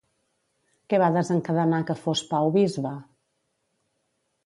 Què va desencadenar que fos Pau bisbe?